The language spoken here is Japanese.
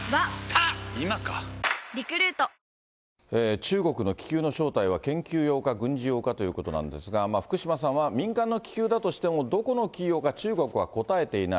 中国の気球の正体は、研究用か軍事用かということなんですが、福島さんは民間の気球だとしても、どこの企業か中国は答えていない。